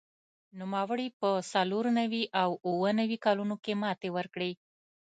نوموړي په څلور نوي او اووه نوي کلونو کې ماتې ورکړې